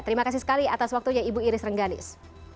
terima kasih sekali atas waktunya ibu iris rengganis